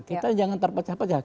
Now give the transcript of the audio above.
kita jangan terpecah pecah